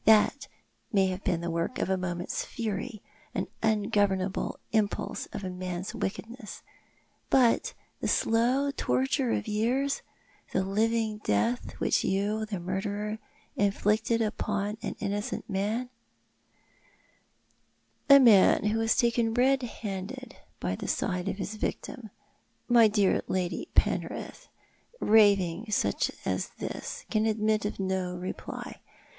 That may have been the work of a moment's fury, an ungovernable impulse of man's wickedness — but the slow torture of years^ — the living death which you, the murderer, inflicted upon an innocent man " "A man who was taken red handed by the side of his victim. My dear Lady Penrith, raving such as this can admit of no reply.